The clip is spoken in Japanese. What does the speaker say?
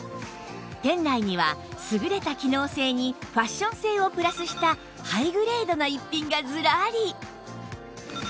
店内には優れた機能性にファッション性をプラスしたハイグレードな逸品がずらり